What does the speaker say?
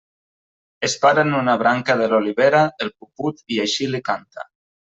Es para en una branca de l'olivera el puput i així li canta.